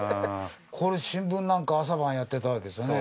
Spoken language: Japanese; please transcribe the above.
これ新聞なんか朝晩やってたわけですよね。